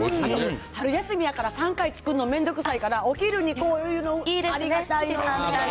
春休みやから、３回作んの面倒くさいからお昼にこういうのありがたいわな。